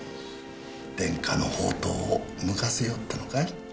伝家の宝刀を抜かせようってのかい？